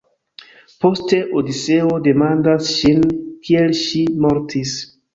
Poste Odiseo demandas ŝin kiel ŝi mortis.